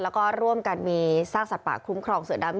แล้วก็ร่วมกันมีซากสัตว์ป่าคุ้มครองเสือดำ